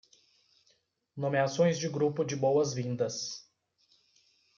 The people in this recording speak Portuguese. Nomeações de grupo de boas-vindas